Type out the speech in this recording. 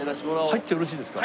入ってよろしいですか？